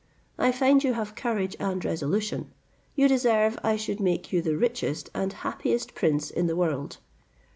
I find you have courage and resolution. You deserve I should make you the richest and happiest prince in the world.